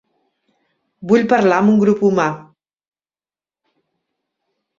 Vull parlar amb un grup humà.